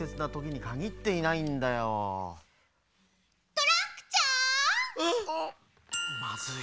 トランクちゃん？